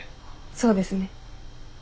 そうですね。